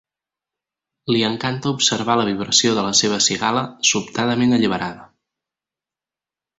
Li encanta observar la vibració de la seva cigala, sobtadament alliberada.